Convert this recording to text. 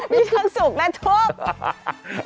มีทั้งสุขและทุกข์